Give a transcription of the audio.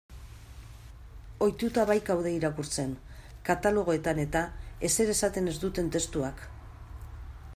Ohituta baikaude irakurtzen, katalogoetan-eta, ezer esaten ez duten testuak.